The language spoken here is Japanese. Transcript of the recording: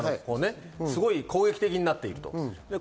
すごい攻撃的になっている。